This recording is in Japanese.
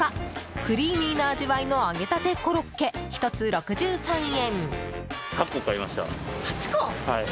クリーミーな味わいの揚げたてコロッケ、１つ６３円。